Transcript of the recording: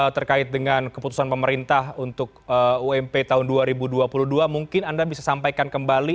terkait dengan keputusan pemerintah untuk ump tahun dua ribu dua puluh dua mungkin anda bisa sampaikan kembali